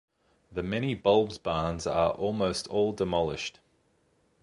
The many bulbs barns are almost all demolished.